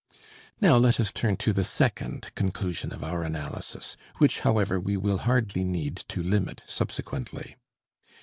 Now let us turn to the second conclusion of our analysis, which however we will hardly need to limit subsequently.